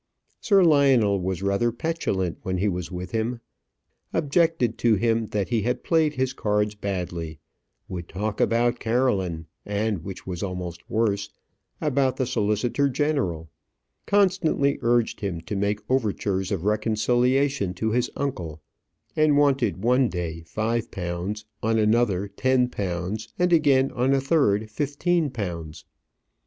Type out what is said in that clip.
Sir Lionel was rather petulant when he was with him; objected to him that he had played his cards badly; would talk about Caroline, and, which was almost worse, about the solicitor general; constantly urged him to make overtures of reconciliation to his uncle; and wanted one day five pounds, on another ten pounds, and again on a third fifteen pounds.